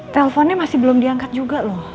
teleponnya masih belum diangkat juga loh